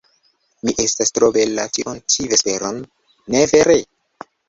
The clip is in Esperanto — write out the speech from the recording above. Mi estas tro bela tiun ĉi vesperon, ne vere?